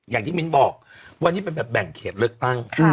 มิ้นบอกวันนี้เป็นแบบแบ่งเขตเลือกตั้ง